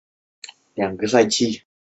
此后两个赛季他没能在联赛中出场。